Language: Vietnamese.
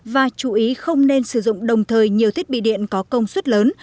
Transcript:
và chú ý không nên sử dụng đồng thời nhiều thiết bị điện có công suất lớn